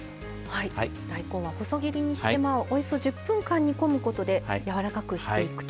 大根は細切りにしておよそ１０分間煮込むことでやわらかくしていくと。